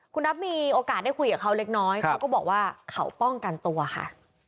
คุณนับมีโอกาสได้คุยกับเขาเล็กน้อยเขาก็บอกว่าเขาป้องกันตัวค่ะ